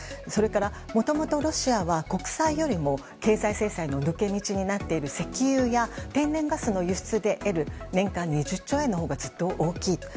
それからもともと、ロシアは国債よりも経済制裁の抜け道になっている石油や天然ガスの輸出で得る年間２０兆円のほうがずっと大きい。